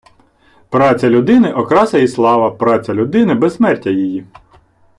Праця людини – окраса і слава, праця людини – безсмертя її